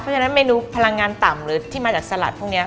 เพราะฉะนั้นเมนูพลังงานต่ำหรือที่มาจากสลัดพวกนี้